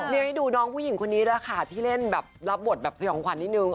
นี่ให้ดูน้องผู้หญิงคนนี้แหละค่ะที่เล่นแบบรับบทแบบสยองขวัญนิดนึง